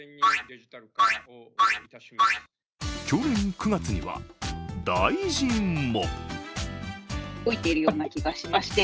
去年９月には大臣も。